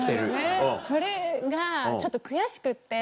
それがちょっと悔しくって。